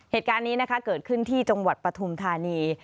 เหตุการณ์นี้นะคะเกิดขึ้นที่จังหวัดปฐุมธานี